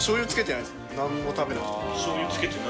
何も食べなくても。